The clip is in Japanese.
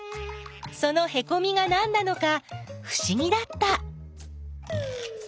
そのへこみがなんなのかふしぎだった。